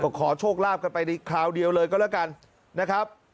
ขอโชคลาภกันไปในคราวเดียวเลยก็แล้วกันนะครับ